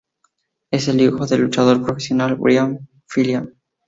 Él es el hijo del luchador profesional Brian Pillman.